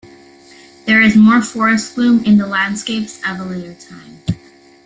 There is more forest gloom in landscapes of a later time.